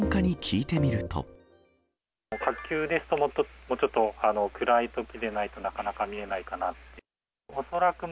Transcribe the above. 火球ですと、もうちょっと暗いときでないとなかなか見えないかなって。